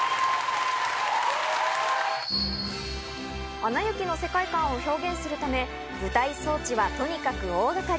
『アナ雪』の世界観を表現するため、舞台装置はとにかく大掛かり。